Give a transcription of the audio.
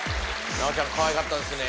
奈緒ちゃんかわいかったですね。